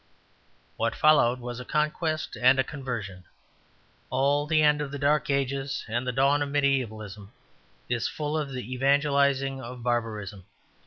What followed was a conquest and a conversion; all the end of the Dark Ages and the dawn of mediævalism is full of the evangelizing of barbarism.